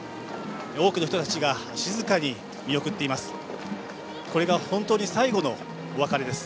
多くの人たちが静かに見送っています。